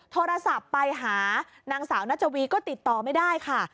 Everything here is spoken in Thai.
โทรศัพท์ไปหานางสาวนัชวีก็ติดต่อไม่ได้ค่ะ